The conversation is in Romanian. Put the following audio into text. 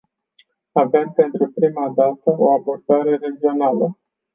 Avem pentru prima dată o abordare regională.